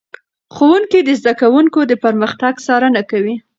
ښوونکي د زده کوونکو د پرمختګ څارنه کوي.